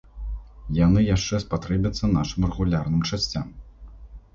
Яны яшчэ спатрэбяцца нашым рэгулярным часцям.